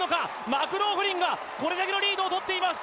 マクローフリンがこれだけのリードをとっています。